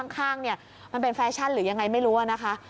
ข้างเป็นแฟชั่นหรือยังไงไม่รู้เลยนะคะ